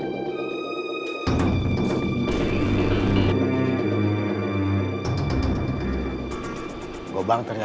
tidak ada yang menghormati saya